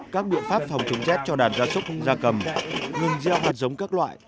các biện pháp phòng chống rét cho đàn da súc da cầm ngừng gieo hoạt giống các loại